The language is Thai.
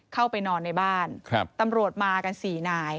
เข้าไปนอนในบ้านตำรวจมากัน๔นาย